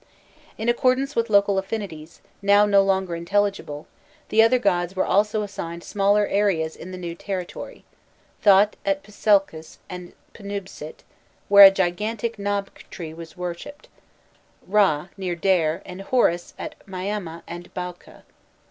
In accordance with local affinities, now no longer intelligible, the other gods also were assigned smaller areas in the new territory Thot at Pselcis and Pnûbsît, where a gigantic nabk tree was worshipped, Râ near Derr, and Horus at Miama and Baûka.